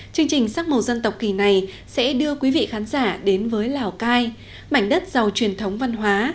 chương trình sắc màu dân tộc kỳ này sẽ đưa quý vị khán giả đến với lào cai mảnh đất giàu truyền thống văn hóa